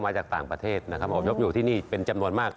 จากต่างประเทศนะครับอบยพอยู่ที่นี่เป็นจำนวนมาก